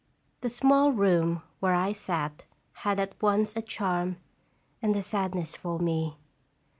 The small room where I sat had at once a charm and a sadness for me.